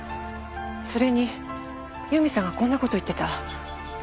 それに由美さんがこんな事言ってた。